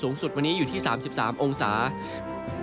สูงสุดวันนี้อยู่ที่๓๓องศาเซียต